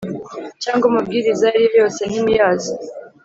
cyangwa amabwiriza ayo ari yose ntimuyazi